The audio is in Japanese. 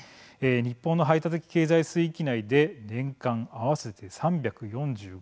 日本の排他的経済水域内で年間合わせて３４５頭。